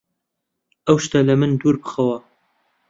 ئەو شتە لە من دوور بخەوە!